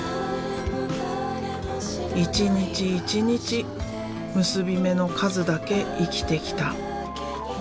一日一日結び目の数だけ生きてきた。